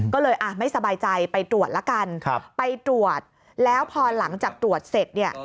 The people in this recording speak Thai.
ก็เลยไม่สบายใจไปตรวจละกันไปตรวจแล้วพอหลังจากตรวจเสร็จเนี่ย